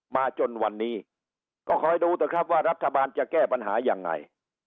จนวันนี้ก็คอยดูเถอะครับว่ารัฐบาลจะแก้ปัญหายังไง